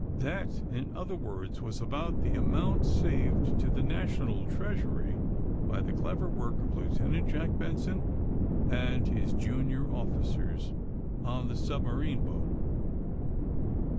That, in other words, was about the amount saved to the national treasury by the clever work of Lieutenant Jack Benson and his junior officers on the submarine boat.